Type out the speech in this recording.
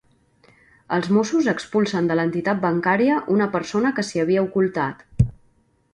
Els mossos expulsen de l'entitat bancària una persona que s'hi havia ocultat.